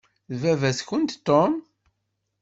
D baba-tkent Tom.